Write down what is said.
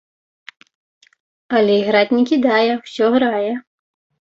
Але іграць не кідае, усё грае.